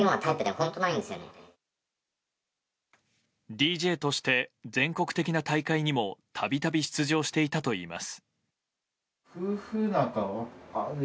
ＤＪとして全国的な大会にも度々出場していたといいます。